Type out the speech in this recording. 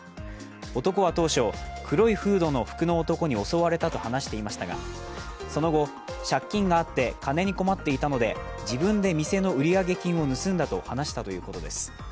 男は当初黒いフードの服の男に襲われたと話していましたがその後、借金があって金に困っていたので自分で店の売上金を盗んだと話したということです。